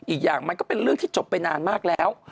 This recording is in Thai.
อีกอย่างมันก็เป็นเรื่องที่จบไปนานมากแล้ว